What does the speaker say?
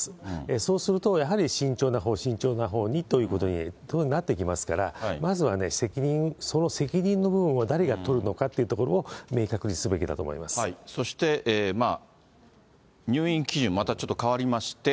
そうすると、やはり慎重なほう、慎重なほうにということになってきますから、まずは責任、その責任の部分を誰が取るのかというところも、そして、入院基準、またちょっと変わりまして。